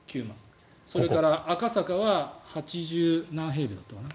それから赤坂は８０何平米だったかな。